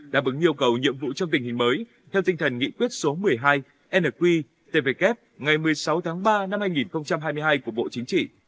đáp ứng yêu cầu nhiệm vụ trong tình hình mới theo tinh thần nghị quyết số một mươi hai nqtvk ngày một mươi sáu tháng ba năm hai nghìn hai mươi hai của bộ chính trị